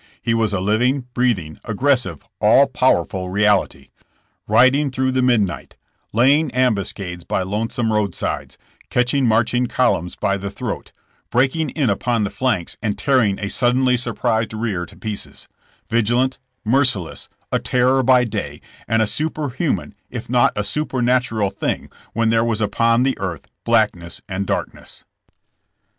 He was a living, breathing, aggressive, all powerful reality— riding through the midnight, laying ambuscades by lonesome roadsides, catching marching columns by the throat, breaking in upon the flanks and tearing a suddenly surprised rear to pieces; vigilant, merciless, a terror by day and a superhuman if not a supernatural thing when there was upon the earth blackness and dark ness.